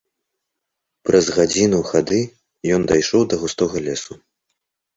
Праз гадзіну хады ён дайшоў да густога лесу.